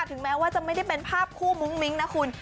ถึงแม้ว่าจะไม่ได้เป็นภาพคู่มุ้งมิ้งนะคุณ